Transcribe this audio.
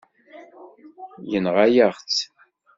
Yenɣa-yaɣ-tt.